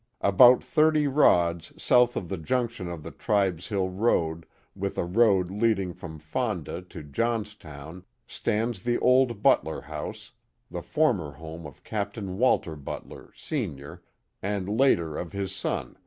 About thirty rods south of the junction of the Tribes Hill road with a road leading from Fonda to Johnstown stands the old Butler house, the former home of Capt. Walter Butler, Senior, and later of his son.